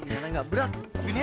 gimana gak berat istrinya sembilan